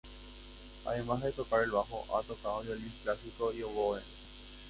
Además de tocar el bajo ha tocado violín clásico y oboe.